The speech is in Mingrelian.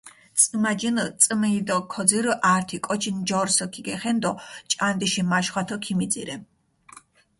წჷმაჯინჷ წჷმიი დო ქოძირჷ, ართი კოჩი ნჯორსჷ ქიგეხენდო ჭანდიში მაშხვათჷ ქიმიძირე.